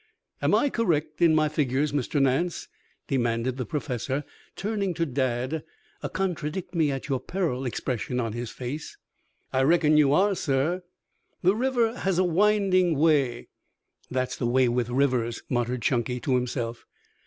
Am I correct in my figures, Mr. Nance?" demanded the Professor, turning to Dad, a "contradict me at your peril" expression on his face. "I reckon you are, sir." "The river has a winding way " "That's the way with rivers," muttered Chunky to himself.